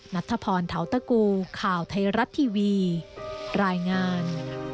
นัทพรถาวตะกูข่าวไทยรัตน์ทีวีรายงาน